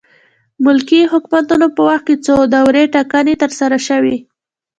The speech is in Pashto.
ملکي حکومتونو په وخت کې څو دورې ټاکنې ترسره شوې.